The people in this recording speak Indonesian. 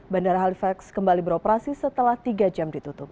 bandara halifax kembali beroperasi setelah tiga jam ditutup